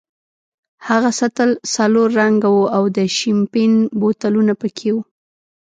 هغه سطل سلور رنګه وو او د شیمپین بوتلونه پکې وو.